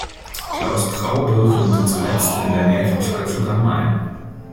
Klaus Traube wohnte zuletzt in der Nähe von Frankfurt am Main.